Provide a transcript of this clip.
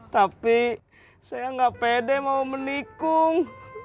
tapi saya nggak pede mau menikung